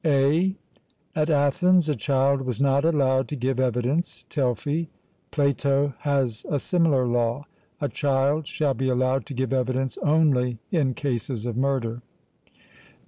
(a) At Athens a child was not allowed to give evidence (Telfy). Plato has a similar law: 'A child shall be allowed to give evidence only in cases of murder.'